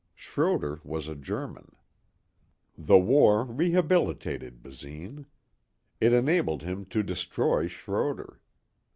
Schroder was a German. The war rehabilitated Basine. It enabled him to destroy Schroder.